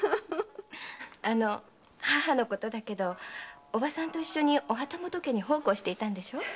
あの母のことだけどおばさんと一緒にお旗本家に奉公していたんでしょ？